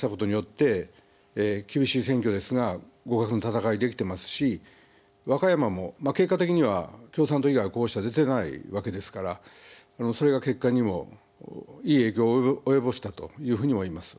大分などは一本化したことによって厳しい選挙ですが互角の戦いができていますし和歌山も結果的には共産党以外は候補者が出ていないわけですからそれが結果にもいい影響を及ぼしたというふうに思います。